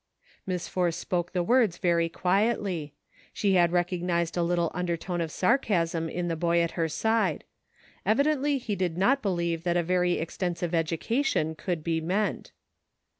Miss Force spoke the words very quietly. She had recognized a little undertone of sarcasm in the boy at her side. Evidently he did not believe that a very extensive education could be meant.